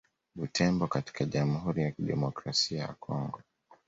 Butembo katika Jamhuri ya Kidemokrasia ya Kongo